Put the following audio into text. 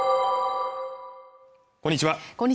こんにちは